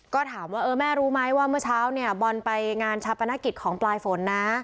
ก็ถามว่าแม่รู้ไหมว่าเมื่อเช้าเนี่ยบอลไปงานชาปนกิจของปลายฝนนะ